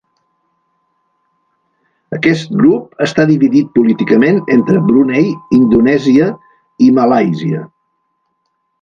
Aquest grup està dividit políticament entre Brunei, Indonèsia i Malàisia.